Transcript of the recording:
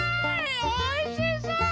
おいしそう！